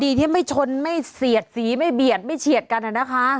ที่ไม่ชนไม่เสียดสีไม่เบียดไม่เฉียดกันนะคะ